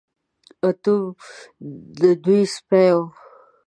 اتم د دوی سپی و.